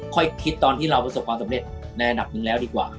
คิดตอนที่เราประสบความสำเร็จในอันดับหนึ่งแล้วดีกว่า